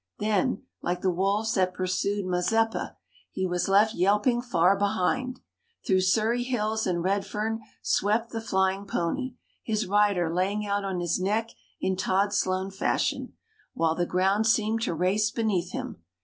Then, like the wolves that pursued Mazeppa, he was left yelping far behind. Through Surry Hills and Redfern swept the flying pony, his rider lying out on his neck in Tod Sloan fashion, while the ground seemed to race beneath him.